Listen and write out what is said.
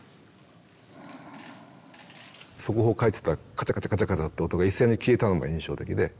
速報書いてたカチャカチャカチャカチャって音が一斉に消えたのが印象的で。